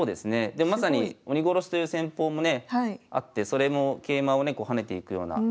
でもまさに鬼ごろしという戦法もねあってそれも桂馬をねこう跳ねていくようなイメージですけど。